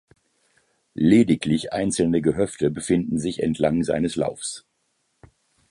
Lediglich einzelne Gehöfte befinden sich entlang seines Laufs.